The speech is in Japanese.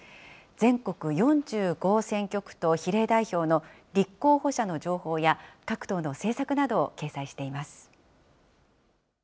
全国４５選挙区と比例代表の立候補者の情報や、各党の政策などを掲載しています。